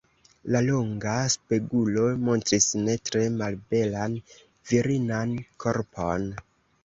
La longa spegulo montris ne tre malbelan virinan korpon.